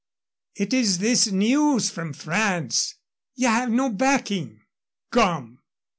"It is this news from France ye have no backing " "Come!